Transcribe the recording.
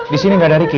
disini gak ada riki